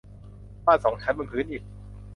บ้านสองชั้นบนพื้นอิฐ